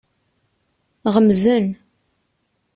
Ɣemzen.